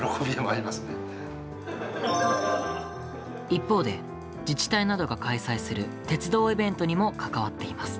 一方で自治体などが開催する鉄道イベントにも関わっています。